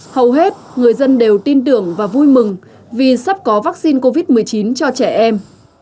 hầu hết người dân đều tin tưởng và vui mừng vì sắp có vaccine covid một mươi chín cho trẻ em